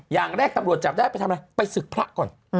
อย่างแรกตำรวจจับได้ไปทำอะไรไปศึกพระก่อน